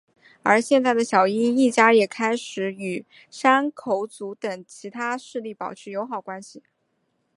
而现在的小樱一家也开始与山口组等其他势力保持友好关系。